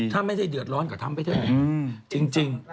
ถ้าไม่ได้เดือดร้อนก็ทำไปเถอะจริง